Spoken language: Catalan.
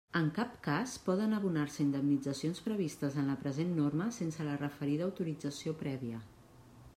En cap cas poden abonar-se indemnitzacions previstes en la present norma sense la referida autorització prèvia.